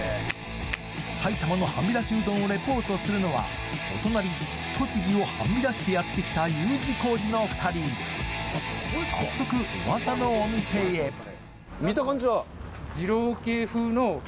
埼玉のはみだしうどんをレポートするのはお隣栃木をはみ出してやって来たＵ字工事の２人早速噂のお店へえ？